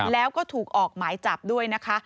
แล้วก็ถูกออกหมายจับด้วยนะคะ